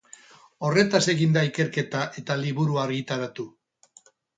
Horretaz egin da ikerketa eta liburua argitaratu.